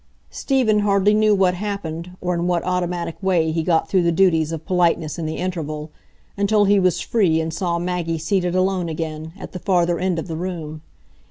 Stephen hardly knew what happened, or in what automatic way he got through the duties of politeness in the interval, until he was free and saw Maggie seated alone again, at the farther end of the room.